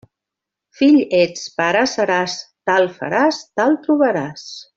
Fill ets, pare seràs; tal faràs, tal trobaràs.